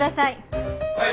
はい！